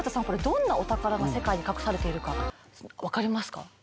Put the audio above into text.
これどんなお宝が世界に隠されているか分かりますか？